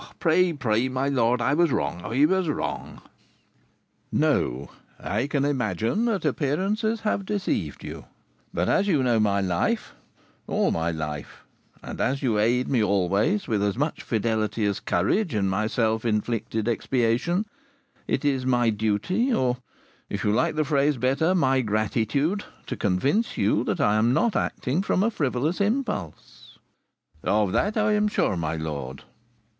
"Pray, pray, my lord, I was wrong; I was wrong." "No, I can imagine that appearances have deceived you; but, as you know my life all my life, and as you aid me always with as much fidelity as courage in my self inflicted expiation, it is my duty, or, if you like the phrase better, my gratitude, to convince you that I am not acting from a frivolous impulse." "Of that I am sure, my lord."